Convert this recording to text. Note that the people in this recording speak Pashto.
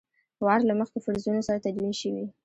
وار له مخکې فرضونو سره تدوین شوي.